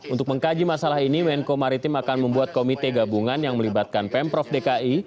untuk mengkaji masalah ini menko maritim akan membuat komite gabungan yang melibatkan pemprov dki